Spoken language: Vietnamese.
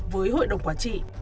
với hội đồng quản trị